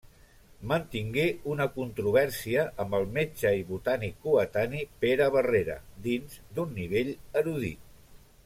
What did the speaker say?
Mantingué una controvèrsia amb el metge i botànic coetani Pere Barrera, dins d'un nivell erudit.